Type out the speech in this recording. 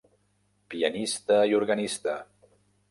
Pianista i organista.